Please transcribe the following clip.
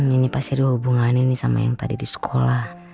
ini pasti ada hubungannya ini sama yang tadi di sekolah